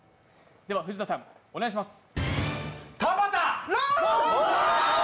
藤田さん、お願いします。